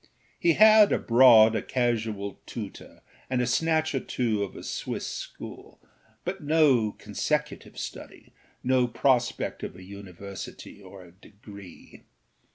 He had, abroad, a casual tutor and a snatch or two of a Swiss school, but no consecutive study, no prospect of a university or a degree.